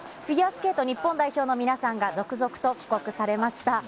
フィギュアスケート日本代表の皆さんが続々と帰国されました。